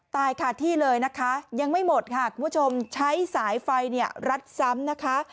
ตายขาดที่เลยยังไม่หมดค่ะคุณผู้ชมใช้สายไฟรัดซ้ำ